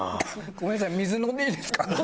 ごめんなさい水飲んでいいですか？